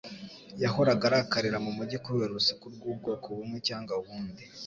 Yahoraga arakarira mumujyi kubera urusaku rw'ubwoko bumwe cyangwa ubundi.